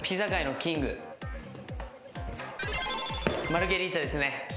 マルゲリータですね。